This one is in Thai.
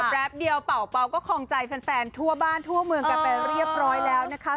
แป๊บเดียวเป่าก็คลองใจแฟนทั่วบ้านทั่วเมืองกันไปเรียบร้อยแล้วนะคะ